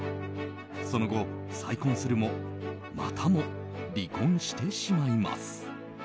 その後、再婚するもまたも離婚してしまいます。